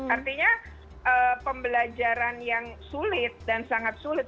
artinya pembelajaran yang sulit dan sangat sulit